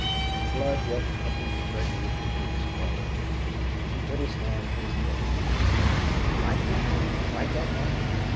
The blood rushed up into Gregory Vigil's forehead; he put his hand to his head, and said: "Like him? Like that man?